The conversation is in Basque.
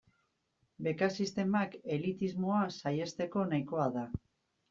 Beka sistemak elitismoa saihesteko nahikoa da.